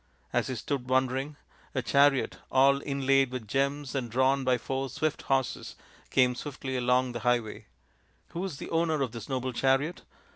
As he stood wondering a chariot, all inlaid with* gems and drawn by four swift horses, came swiftly along the highway. " Who is the owner of this noble chariot